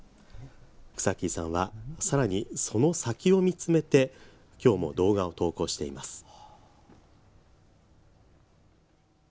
草切さんはさらに、その先を見つめて今日も動画を投稿しています。